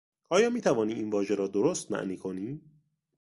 آیا میتوانی این واژه را درست معنی کنی؟